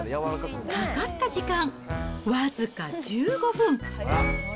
かかった時間、僅か１５分。